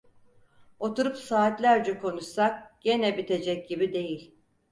Oturup saatlerce konuşsak gene bitecek gibi değil.